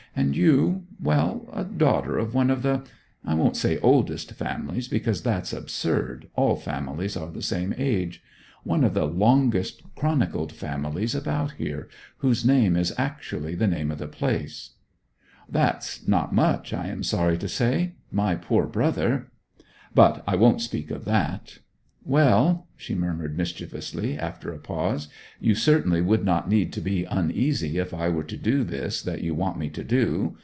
'And you well, a daughter of one of the I won't say oldest families, because that's absurd, all families are the same age one of the longest chronicled families about here, whose name is actually the name of the place.' 'That's not much, I am sorry to say! My poor brother but I won't speak of that ... Well,' she murmured mischievously, after a pause, 'you certainly would not need to be uneasy if I were to do this that you want me to do.